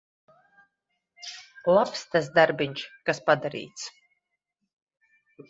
Labs tas darbiņš, kas padarīts.